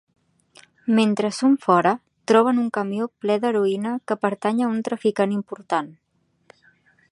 Mentre són fora, troben un camió ple d'heroïna que pertany a un traficant important.